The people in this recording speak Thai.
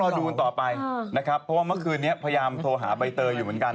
ก็ดูกันต่อไปนะครับเพราะว่าเมื่อคืนนี้พยายามโทรหาใบเตยอยู่เหมือนกัน